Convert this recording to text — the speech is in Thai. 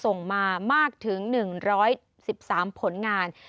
ส่งมามากถึง๑๑๓ผลงาน